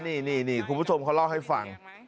นี่คุณผู้ชมเขาเล่าให้ฟัง